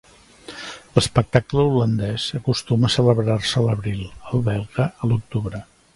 L'espectacle holandès acostuma a celebrar-se a l'abril; el belga, a l'octubre.